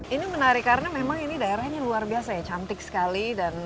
ini menarik karena memang ini daerahnya luar biasa ya cantik sekali